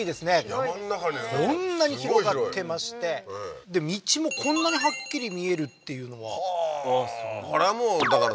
山の中にこんなに広がってましてで道もこんなにはっきり見えるっていうのははあーこれはもうだから